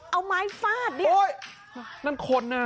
เอ้าไม้ฟาดเดี๋ยวโอ้ยนั่นคนน่ะ